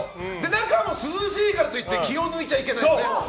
中も涼しいからといって気を抜いちゃいけない。